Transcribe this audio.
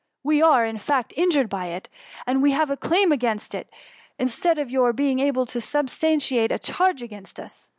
We are, in fact, injured by it, and we have a claim against you instead of your being able to substantiate a charge against us.